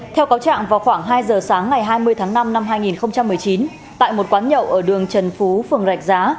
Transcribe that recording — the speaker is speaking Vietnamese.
theo cáo trạng vào khoảng hai giờ sáng ngày hai mươi tháng năm năm hai nghìn một mươi chín tại một quán nhậu ở đường trần phú phường rạch giá